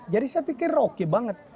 jadi saya pikir oke banget